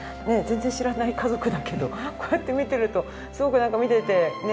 全然知らない家族だけどこうやって見てるとすごく見ていて癒やされたり。